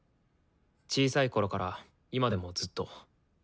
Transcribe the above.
小さいころから今でもずっと。